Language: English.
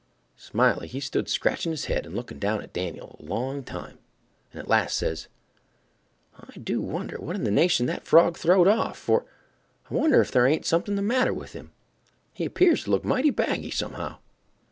Smiley he stood scratching his head and looking down at Dan'l a long time, and at last says, "I do wonder what in the nation that frog throwed off for—I wonder if there ain't something the matter with him—he 'pears to look mighty baggy, somehow."